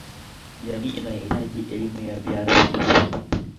jamii inahitaji elimu ya viazi lishe